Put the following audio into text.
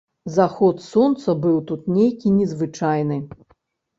Заход сонца быў тут нейкі незвычайны.